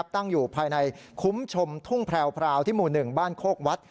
ตั้งอยู่ภายในคุ้มชมทุ่งแพรวที่หมู่๑บ้านโคกวัด